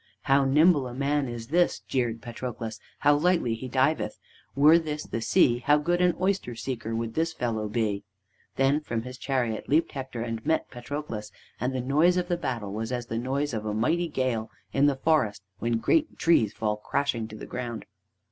"How nimble a man is this!" jeered Patroclus. "How lightly he diveth! Were this the sea, how good an oyster seeker would this fellow be!" Then from his chariot leaped Hector and met Patroclus, and the noise of the battle was as the noise of a mighty gale in the forest when great trees fall crashing to the ground.